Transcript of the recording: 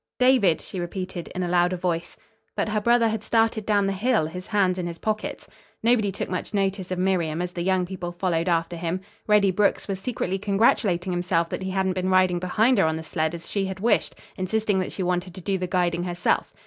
"David," she repeated in a louder voice. But her brother had started down the hill, his hands in his pockets. Nobody took much notice of Miriam as the young people followed after him. Reddy Brooks was secretly congratulating himself that he hadn't been riding behind her on the sled as she had wished, insisting that she wanted to do the guiding herself.